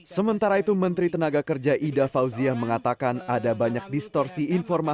sementara itu menteri tenaga kerja ida fauziah mengatakan ada banyak distorsi informasi